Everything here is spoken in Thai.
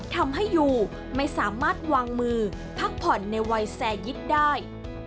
ทำให้ยูไม่สามารถวางมือพักผ่อนในวัยแซยิตได้